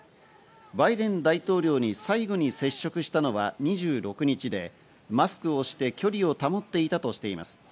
バイデン大統領に最後に接触したのは２６日で、マスクをして距離を保っていたとしています。